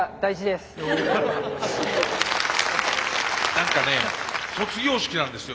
何かね卒業式なんですよ